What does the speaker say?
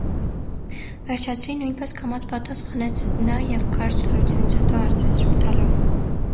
- Վերջացրի,- նույնպես կամաց պատասխանեց նա և կարճ լռությունից հետո հարցրեց ժպտալով.